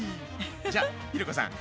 じゃひろ子さん